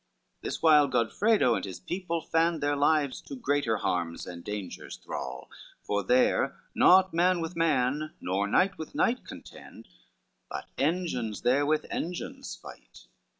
This while Godfredo and his people land Their lives to greater harms and dangers thrall, For there not man with man, nor knight with knight Contend, but engines there with engines fight.